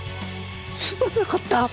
すまなかった！